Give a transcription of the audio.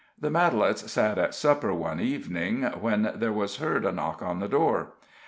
The Matalettes sat at supper one evening, when there was heard a knock at the door.